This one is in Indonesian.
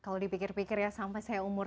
lebih pikir pikir ya sampai saya umur tiga puluh